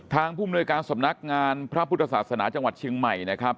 ผู้มนวยการสำนักงานพระพุทธศาสนาจังหวัดเชียงใหม่นะครับ